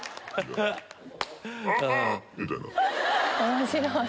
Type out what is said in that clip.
面白い！